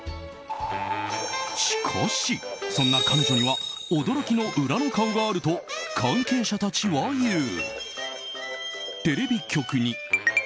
しかし、そんな彼女には驚きの裏の顔があると関係者たちは言う。